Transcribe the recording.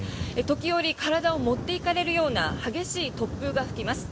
時折、体を持っていかれるような激しい突風が吹きます。